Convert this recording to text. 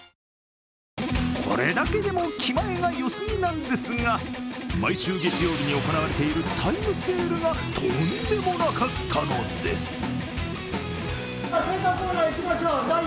これだけでも気前がよすぎなんですが毎週月曜日に行われているタイムセールがとんでもなかったのです。